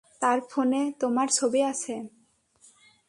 তার ফোনে তোমার ছবি আছে।